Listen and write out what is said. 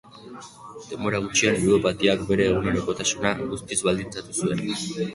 Denbora gutxian ludopatiak bere egunerokotasuna guztiz baldintzatu zuen.